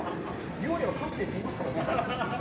料理は感性って言いますからね。